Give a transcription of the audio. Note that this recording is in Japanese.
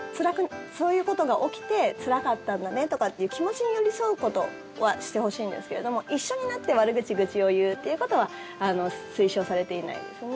そういうことが起きてつらかったんだねとかっていう気持ちに寄り添うことはしてほしいんですけれども一緒になって悪口、愚痴を言うということは推奨されていないですね。